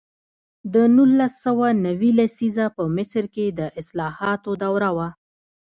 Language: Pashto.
د نولس سوه نوي لسیزه په مصر کې د اصلاحاتو دوره وه.